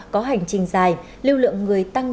có hành trình dài lưu lượng người tăng